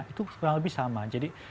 itu kurang lebih sama jadi